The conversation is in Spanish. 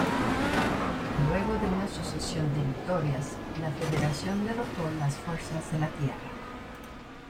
Luego de una sucesión de victorias, la Federación derrotó las fuerzas de la Tierra.